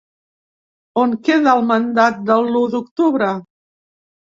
On queda el mandat de l'u d'octubre?